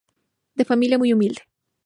De familia muy humilde.